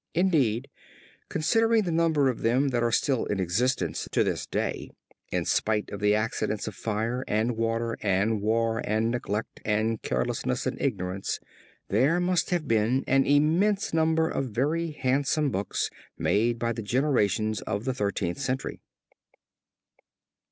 Indeed, considering the number of them that are still in existence to this day, in spite of the accidents of fire, and water, and war, and neglect, and carelessness, and ignorance, there must have been an immense number of very handsome books made by the generations of the Thirteenth Century.